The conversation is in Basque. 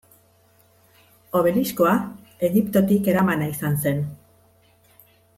Obeliskoa Egiptotik eramana izan zen.